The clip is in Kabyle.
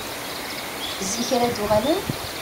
Zik ara d-uɣalen?